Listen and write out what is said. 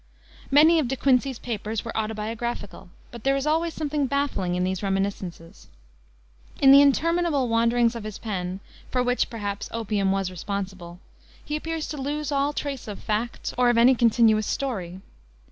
Many of De Quincey's papers were autobiographical, but there is always something baffling in these reminiscences. In the interminable wanderings of his pen for which, perhaps, opium was responsible he appears to lose all trace of facts or of any continuous story.